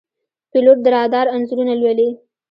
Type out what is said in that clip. پیلوټ د رادار انځورونه لولي.